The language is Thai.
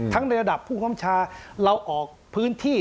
ในระดับผู้คำชาเราออกพื้นที่